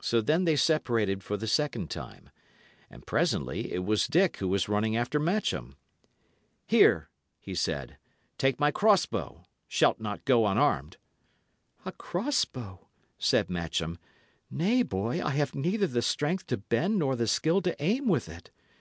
So then they separated for the second time; and presently it was Dick who was running after Matcham. "Here," he said, "take my cross bow; shalt not go unarmed." "A cross bow!" said Matcham. "Nay, boy, I have neither the strength to bend nor yet the skill to aim with it.